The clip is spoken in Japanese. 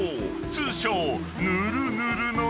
通称］